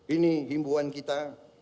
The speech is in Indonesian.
ini himbuan kita